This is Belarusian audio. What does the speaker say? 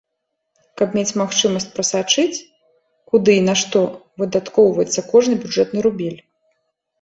Каб мець магчымасць прасачыць, куды і на што выдаткоўваецца кожны бюджэтны рубель.